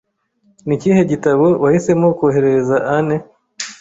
Ni ikihe gitabo wahisemo kohereza Anne?